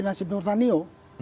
nasib nur tanyo